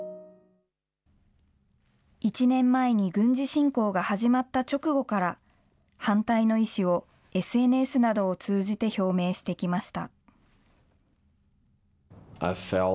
１年前に軍事侵攻が始まった直後から、反対の意志をＳＮＳなどを通じて表明してきました。